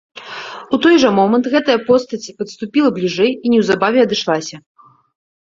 У той жа момант гэтая постаць падступіла бліжэй і неўзабаве адышлася.